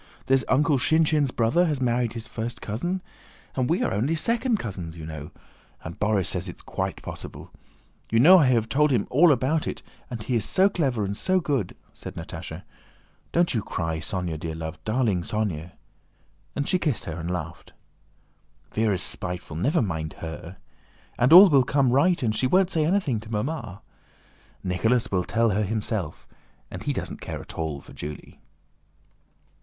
There's Uncle Shinshín's brother has married his first cousin. And we are only second cousins, you know. And Borís says it is quite possible. You know I have told him all about it. And he is so clever and so good!" said Natásha. "Don't you cry, Sónya, dear love, darling Sónya!" and she kissed her and laughed. "Véra's spiteful; never mind her! And all will come right and she won't say anything to Mamma. Nicholas will tell her himself, and he doesn't care at all for Julie."